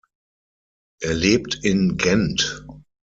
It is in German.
Er lebt in Gent.